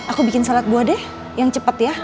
aku bikin salad buah deh yang cepat ya